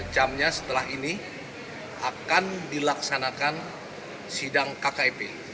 jamnya setelah ini akan dilaksanakan sidang kkip